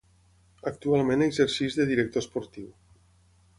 Actualment exerceix de director esportiu.